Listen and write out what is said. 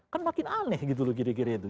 kan makin aneh gitu loh kira kira itu